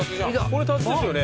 これ辰ですよね。